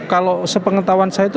kalau sepengetahuan saya itu